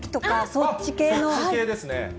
そっち系ですね。